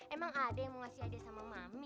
emang ada yang mau ngasih ada sama mami